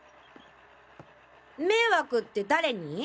迷惑って誰に？